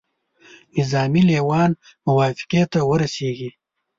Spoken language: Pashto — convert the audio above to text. نظامي لېوان موافقې ته ورسیږي.